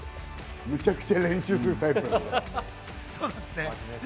むちゃくちゃ練習するタイプなんですよ。